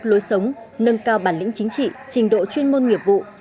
lối sống nâng cao bản lĩnh chính trị trình độ chuyên môn nghiệp vụ